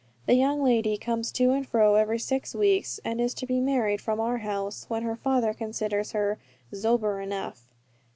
The young lady comes to and fro every six weeks, and is to be married from our house, when her father considers her "zober enough."